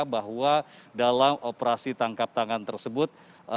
bahwa dalam operasi tangkap tangan tersebut